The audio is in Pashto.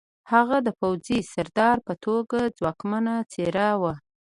هغه د پوځي سردار په توګه ځواکمنه څېره وه